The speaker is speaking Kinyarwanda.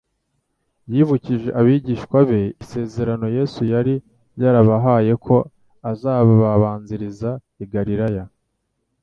yibukije abigishwa be isezerano Yesu yari yarabahaye ko azababanziriza i Galilaya;